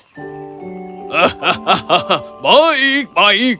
hahaha baik baik